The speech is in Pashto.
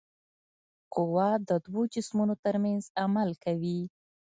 قوه د دوو جسمونو ترمنځ عمل کوي.